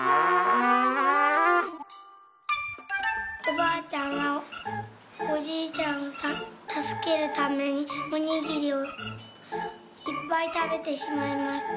「おばあちゃんはおじいちゃんをたすけるためにおにぎりをいっぱいたべてしまいました。